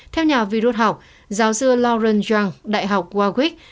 theo nhà virus học giáo sư lauren zhang đại học waukesha